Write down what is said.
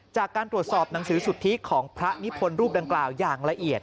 จากการตรวจสอบหนังสือสุทธิของพระนิพนธ์รูปดังกล่าวอย่างละเอียด